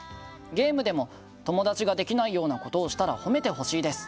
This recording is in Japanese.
ゲームでも、友達ができないようなことをしたら褒めてほしいです。